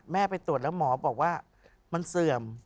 ไปตรวจแล้วหมอบอกว่ามันเสื่อม